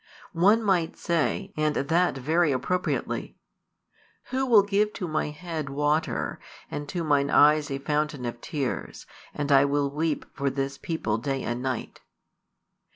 One might say, and that very appropriately: Who will give to my head water, and to mine eyes a fountain of tears, and I will weep for this people day and night?